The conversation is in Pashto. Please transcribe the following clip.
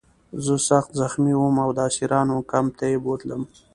زه سخت زخمي وم او د اسیرانو کمپ ته یې بوتلم